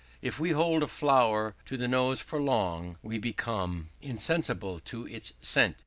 If we hold a flower to the nose for long, we become insensible to its scent.